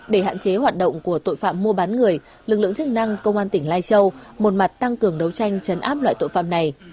để hạn chế hoạt động của tội phạm mua bán người lực lượng chức năng công an tỉnh lai châu một mặt tăng cường đấu tranh chấn áp loại tội phạm này